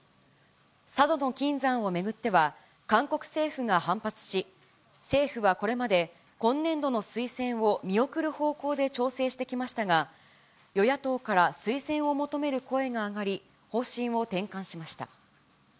佐渡島の金山を巡っては、韓国政府が反発し、政府はこれまで今年度の推薦を見送る方向で調整してきましたが、与野党から推薦を求める声が上がり、方針を転換しました。